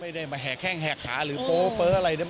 ไม่ได้มาแหกแข้งแหกขาหรือโป๊ะอะไรเนี่ย